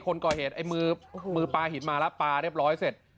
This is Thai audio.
คนก่อเหตุมือปลาหินมาแล้วแล็วปลาเรียบร้อยเสร็จ